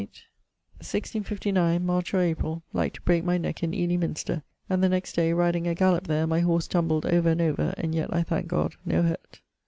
1659: March or Aprill, like to breake my neck in Ely minster, and the next day, riding a gallop there, my horse tumbled over and over, and yet (I thanke God) no hurt.